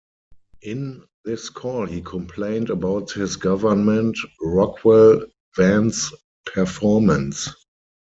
In this call he complained about his government Rockwell "van's" performance.